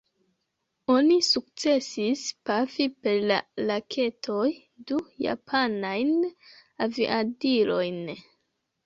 Oni sukcesis pafi per la raketoj du japanajn aviadilojn.